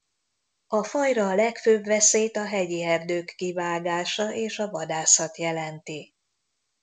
A fajra a legfőbb veszélyt a hegyi erdők kivágása és a vadászat jelenti.